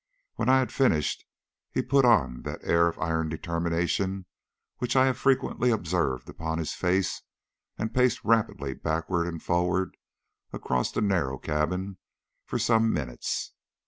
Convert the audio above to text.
When I had finished he put on that air of iron determination which I have frequently observed upon his face, and paced rapidly backwards and forwards across the narrow cabin for some minutes.